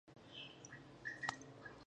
داسې ورځ چې فقر نه وي.